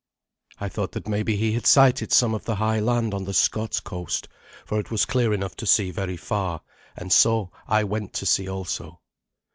I thought that maybe he had sighted some of the high land on the Scots coast, for it was clear enough to see very far, and so I went to see also.